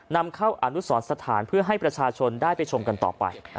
นำเข้าอนุสรสถานเพื่อให้ประชาชนได้ไปชมกันต่อไป